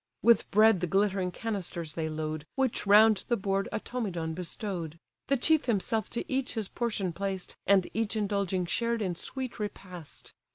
With bread the glittering canisters they load, Which round the board Automedon bestow'd. The chief himself to each his portion placed, And each indulging shared in sweet repast.